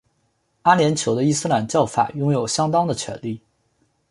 阿联酋的伊斯兰教法拥有相当的权力。